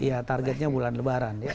ya targetnya bulan lebaran ya